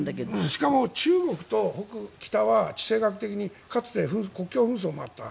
しかも、中国とは地政学的にかつて国境紛争があった。